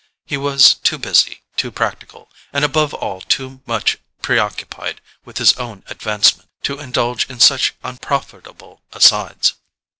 He was too busy, too practical, and above all too much preoccupied with his own advancement, to indulge in such unprofitable asides.